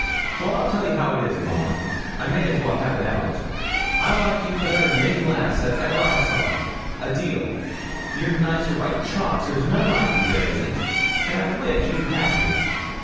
'Well, I'll tell you how it is, Maud. I may as well have it out. I like you better than any lass that ever I saw, a deal; you're nicer by chalks; there's none like ye there isn't; and I wish you'd have me.